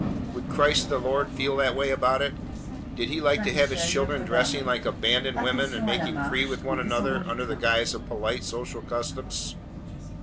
Would Christ the Lord feel that way about it? Did He like to have His children dressing like abandoned women and making free with one another under the guise of polite social customs?